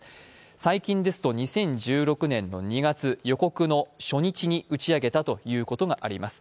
最近ですと２０１６年の２月、予告の初日に打ち上げたということがあります。